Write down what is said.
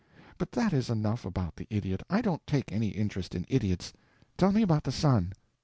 But that is enough about the idiot, I don't take any interest in idiots; tell me about the son."